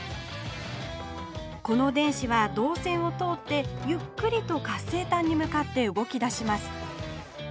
この電子はどうせんを通ってゆっくりと活性炭に向かって動きだします